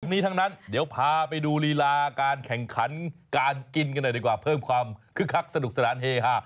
นี้ทั้งนั้นเดี๋ยวพาไปดูลีลาการแข่งขันการกินกันหน่อยดีกว่าเพิ่มความคึกคักสนุกสนานเฮฮา